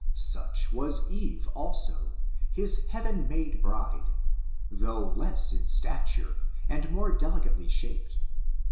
Such was Eve, also, Tiis heaven made bride, though less in stature and mor^ delicately shaped.